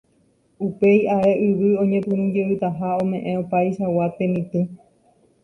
upéi ae yvy oñepyrũjeytaha ome'ẽ opaichagua temitỹ